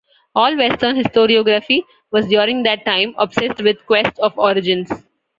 All Western historiography was during that time obsessed with the quest of "origins".